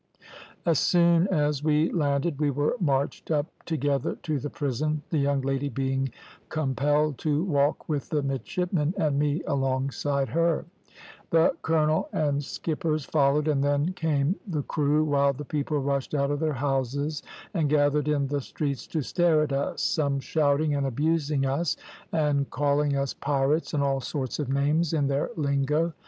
"As soon as we landed we were marched up together to the prison, the young lady being compelled to walk with the midshipmen and me alongside her; the colonel and skippers followed, and then came the crew, while the people rushed out of their houses and gathered in the streets to stare at us, some shouting and abusing us, and calling us pirates and all sorts of names in their lingo.